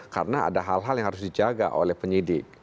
karena ada hal hal yang harus dijaga oleh penyidik